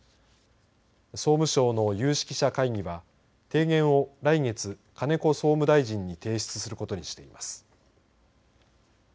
総務省の有識者会議は提言を来月金子総務大臣に提出することにしています。